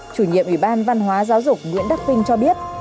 chủ nhiệm ủy ban văn hóa giáo dục nguyễn đắc vinh cho biết